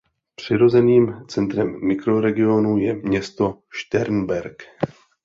Přirozeným centrem Mikroregionu je město Šternberk.